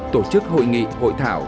tổ chức hội nghị hội thảo